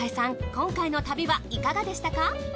今回の旅はいかがでしたか？